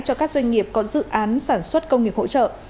cho các doanh nghiệp có dự án sản xuất công nghiệp hỗ trợ